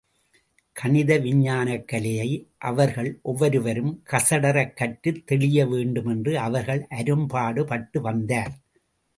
கணித விஞ்ஞானக்கலையை, அவர்கள் ஒவ்வொருவரும் கசடறக் கற்றுத் தெளியவேண்டுமென்று அவர் அரும்பாடுபட்டு வந்தார்.